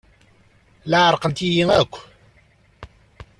Llant ɛerqent-iyi akk.